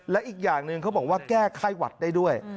และอีกอย่างหนึ่งเขาบอกว่าแก้ไข้หวัดได้ด้วย